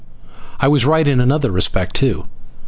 I was right in another respect too.